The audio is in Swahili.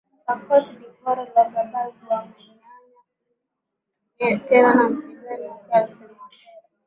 s wa cote dvoire lorah bagbo atamenyana tena na mpizani wake alasun watera